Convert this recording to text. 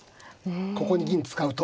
ここに銀使うと。